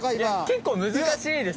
結構難しいですね。